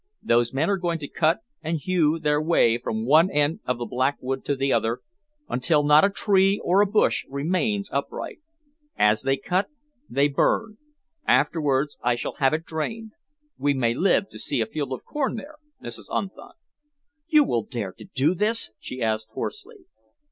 "Those men are going to cut and hew their way from one end of the Black Wood to the other, until not a tree or a bush remains upright. As they cut, they burn. Afterwards, I shall have it drained. We may live to see a field of corn there, Mrs. Unthank." "You will dare to do this?" she asked hoarsely.